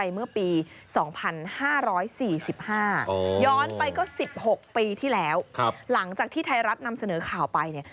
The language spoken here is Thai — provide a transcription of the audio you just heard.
เมื่อปี๒๕๔๕ย้อนไปก็๑๖ปีที่แล้วหลังจากที่ไทยรัฐนำเสนอข่าวไปเนี่ย